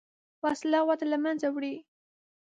وسله وده له منځه وړي